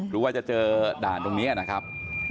รู้ว่าจะเจอด่านตรงนี้นะครับ